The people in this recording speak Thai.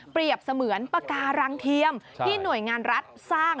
เสมือนปาการังเทียมที่หน่วยงานรัฐสร้าง